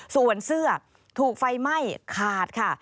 ส่วนเสื้อถูกไฟไหม้ขาดค่ะ